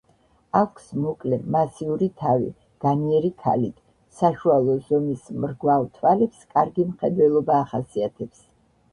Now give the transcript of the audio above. აქვს მოკლე მასიური თავი განიერი ქალით, საშუალო ზომის მრგვალ თვალებს კარგი მხედველობა ახასიათებს.